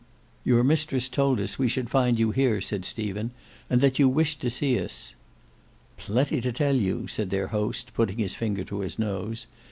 "Your mistress told us we should find you here," said Stephen, "and that you wished to see us. "Plenty to tell you," said their host putting his finger to his nose.